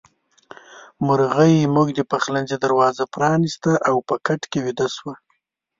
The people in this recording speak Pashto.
مرغۍ زموږ د پخلنځي دروازه پرانيسته او په کټ کې ويده شوه.